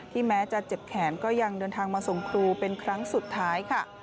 แม้จะเจ็บแขนก็ยังเดินทางมาส่งครูเป็นครั้งสุดท้ายค่ะ